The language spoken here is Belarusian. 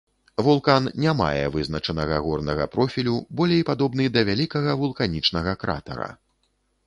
Вулкан не мае вызначанага горнага профілю, болей падобны да вялікага вулканічнага кратара.